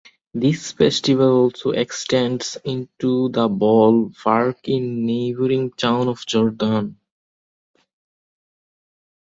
This festival also extends into the ball park in neighbouring town of Jordan.